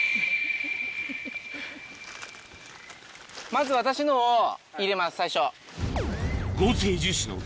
まず私のを入れます最初。